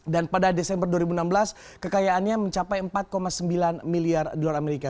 dan pada desember dua ribu enam belas kekayaannya mencapai empat sembilan miliar dolar amerika